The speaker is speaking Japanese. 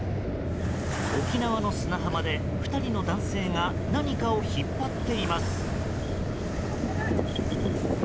沖縄の砂浜で２人の男性が何かを引っ張っています。